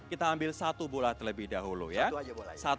kita ambil satu bola terlebih dahulu ya